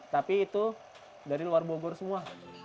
tapi itu dari luar bogor semua